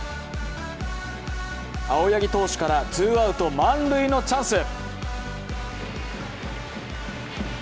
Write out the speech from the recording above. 青柳投手からツーアウト満塁のチャンス。